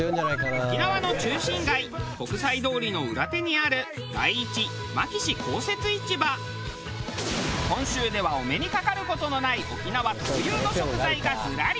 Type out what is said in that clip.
沖縄の中心街国際通りの裏手にある本州ではお目にかかる事のない沖縄特有の食材がずらり。